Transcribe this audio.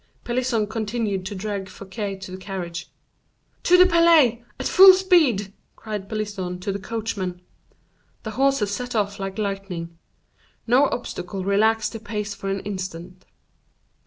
Pelisson continued to drag Fouquet to the carriage. "To the Palais at full speed!" cried Pelisson to the coachman. The horses set off like lightening; no obstacle relaxed their pace for an instant.